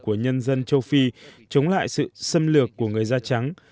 của nhân dân châu phi chống lại sự xâm lược của người da trắng